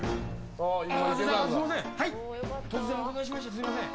すみません。